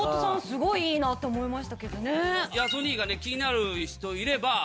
すごいいいなって思いましたけどね。